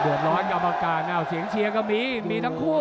ร้อนกรรมการเสียงเชียร์ก็มีมีทั้งคู่